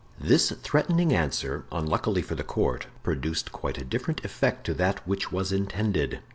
This threatening answer, unluckily for the court, produced quite a different effect to that which was intended.